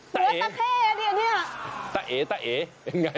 เฮ้ยหัวตะเข้อันนี้